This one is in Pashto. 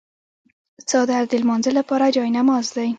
څادر د لمانځه لپاره جای نماز دی.